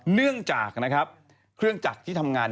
เนื่องจากเครื่องจักรที่ทำงาน